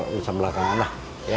bisa belakangan lah